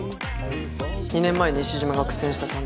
２年前西島が苦戦した担当者